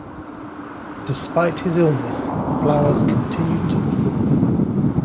Despite his illness, Flowers continued to perform.